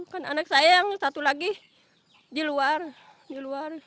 kan anak saya yang satu lagi di luar di luar